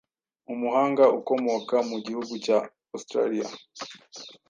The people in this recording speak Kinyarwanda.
umuhanga ukomoka mu gihugu cya Australia